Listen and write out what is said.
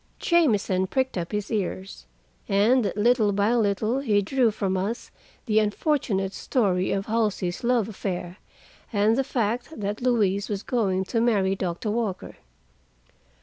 Jamieson pricked up his ears, and little by little he drew from us the unfortunate story of Halsey's love affair, and the fact that Louise was going to marry Doctor Walker.